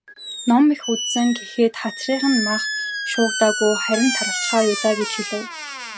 "Ном их үзсэн гэхэд хацрын нь мах шуугдаагүй, харин таргалчихаа юу даа" гэж хэлэв.